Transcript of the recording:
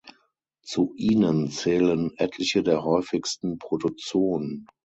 Zu ihnen zählen etliche der häufigsten Protozoen.